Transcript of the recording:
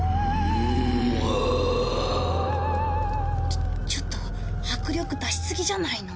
ちょちょっと迫力出しすぎじゃないの？